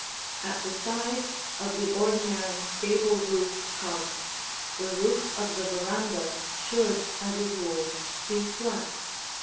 At the side of the ordinary, gable roofed house, the roof of the veranda should as a rule be flat.